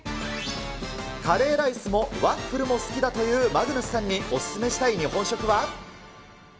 カレーライスもワッフルも好きだというマグヌスさんにお勧めしたい日本食は。